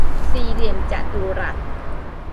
สี่เหลี่ยมจัตุรัส